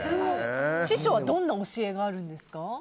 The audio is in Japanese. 師匠はどんな教えがあるんですか？